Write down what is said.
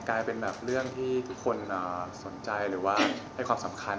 กลายเป็นแบบเรื่องที่ทุกคนสนใจหรือว่าให้ความสำคัญ